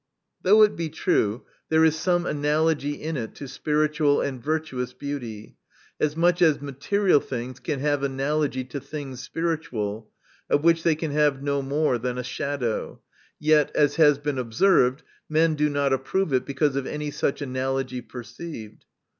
Though it be true, there is some analogy in it to spiritual and virtuous beauty, as much as material things can have analogy to things spiritual (on which they can have no more than a shadow), yet, as has been observed, men do not approve it because of any such analogy perceived.